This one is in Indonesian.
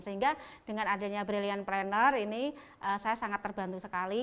sehingga dengan adanya brilliant pranner ini saya sangat terbantu sekali